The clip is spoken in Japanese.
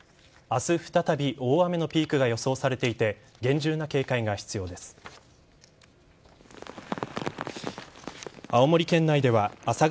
明日再び大雨のピークが予想されていて厳重な警戒が必要です。